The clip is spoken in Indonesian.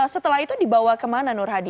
setelah itu dibawa kemana nur hadi